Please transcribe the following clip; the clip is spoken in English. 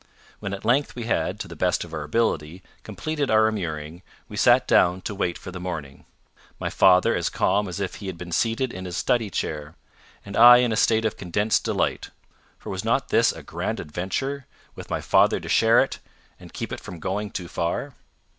When at length we had, to the best of our ability, completed our immuring, we sat down to wait for the morning my father as calm as if he had been seated in his study chair, and I in a state of condensed delight; for was not this a grand adventure with my father to share it, and keep it from going too far?